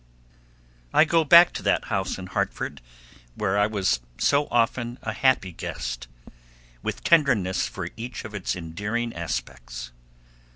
I go back to that house in Hartford, where I was so often a happy guest, with tenderness for each of its endearing aspects.